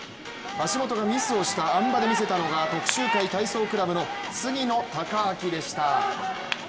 橋本がミスをしたあん馬で見せたのが徳洲会体操クラブの杉野正尭でした。